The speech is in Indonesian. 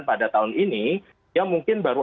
pada tahun ini dia mungkin baru